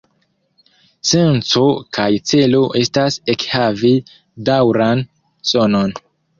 Senco kaj celo estas ekhavi daŭran sonon.